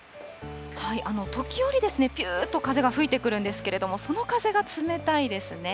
時折、ぴゅーっと風が吹いてくるんですけれども、その風が冷たいですね。